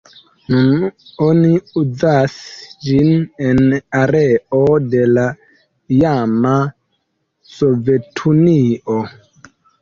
Nun oni uzas ĝin en areo de la iama Sovetunio.